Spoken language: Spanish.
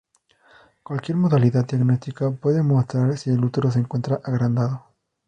Cualquier modalidad diagnóstica puede mostrar si el útero se encuentra agrandado.